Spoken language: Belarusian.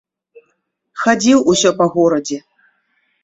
Хадзіў усё па горадзе.